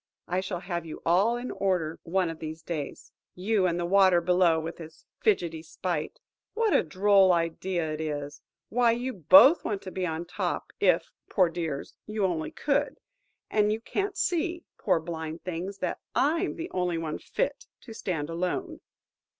I shall have you all in order one of these days. You and the water below, with his fidgety spite. What a droll idea it is! Why, you both want to be at the top, if–poor dears!–you only could. And you can't see–poor blind things!–that I 'm the only one fit to stand alone!"